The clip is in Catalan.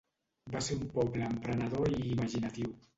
Va ser un poble emprenedor i imaginatiu.